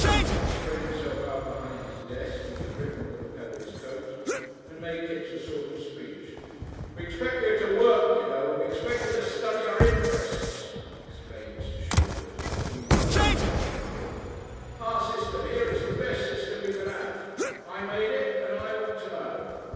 He spread himself out behind his desk with a grip on the lapel of his coat and made Kipps a sort of speech. "We expect y'r to work, y'r know, and we expect y'r to study our interests," explained Mr. Shalford in the regal and commercial plural. "Our system here is the best system y'r could have. I made it, and I ought to know.